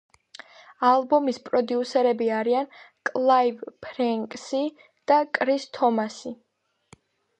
ალბომის პროდიუსერები არიან კლაივ ფრენკსი და კრის თომასი.